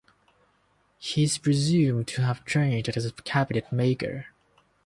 He is presumed to have trained as a cabinetmaker.